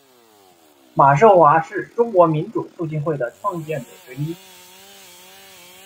马寿华是中国民主促进会的创建者之一。